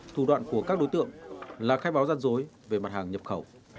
thủ đoạn của các đối tượng là khai báo gian dối về mặt hàng nhập khẩu